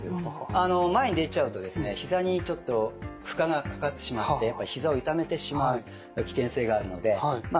あの前に出ちゃうとひざにちょっと負荷がかかってしまってやっぱひざを痛めてしまう危険性があるのでまあ